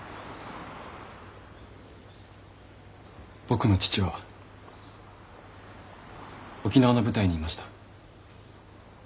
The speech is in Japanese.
僕の父は沖縄の部隊にいました。